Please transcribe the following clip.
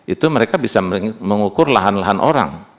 itu mereka bisa mengukur lahan lahan orang